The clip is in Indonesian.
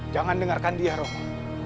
jangan dengarkan dia romo